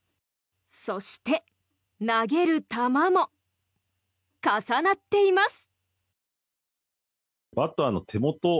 そして、投げる球も重なっています。